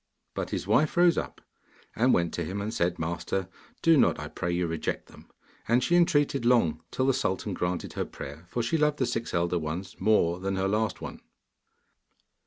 But his wife rose up and went to him, and said, 'Master, do not, I pray you, reject them,' and she entreated long, till the sultan granted her prayer, for she loved the six elder ones more than her last one.